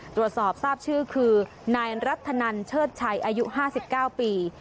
ตรวจสอบทราบชื่อคือนายรัฐนันเชิดชัยอายุ๕๙ปี